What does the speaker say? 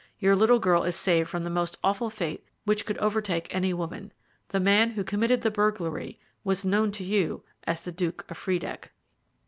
Your little girl is saved from the most awful fate which could overtake any woman. The man who committed the burglary was known to you as the Duke of Friedeck."